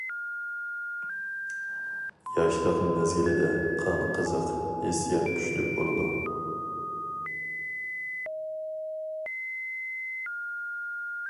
ياشلىق مەزگىلىدە قان قىزىق، ھېسسىيات كۈچلۈك بولىدۇ.